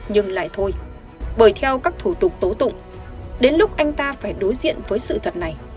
nhưng lại thôi bởi theo các thủ tục tố tụng đến lúc anh ta phải đối diện với sự thật này